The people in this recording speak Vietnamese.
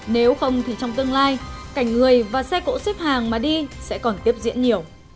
nếu không thì trong tương lai cảnh người và xe cộ xếp hàng mà đi sẽ còn tiếp diễn nhiều